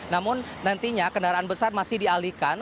namun nantinya kendaraan besar masih dialihkan